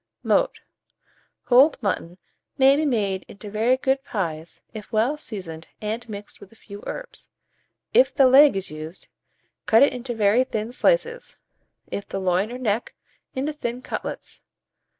Mode. Cold mutton may be made into very good pies if well seasoned and mixed with a few herbs; if the leg is used, cut it into very thin slices; if the loin or neck, into thin cutlets.